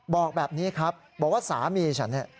บอกแบบนี้ครับบอกว่าสามีฉันเนี่ย